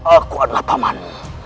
aku adalah paman